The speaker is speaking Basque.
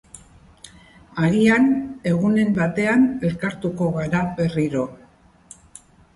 Agian, egunen batean elkartuko gara berriro